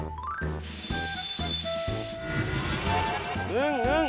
うんうん！